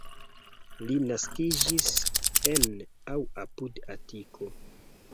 Li naskiĝis en aŭ apud Atiko.